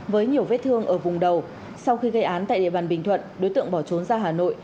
với nhiều vết thương ở vùng đầu sau khi gây án tại địa bàn bình thuận đối tượng bỏ trốn ra hà nội